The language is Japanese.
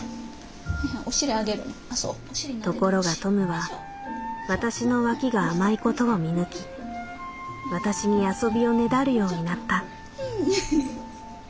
「ところがトムは私の脇が甘いことを見抜き私に遊びをねだるようになった」。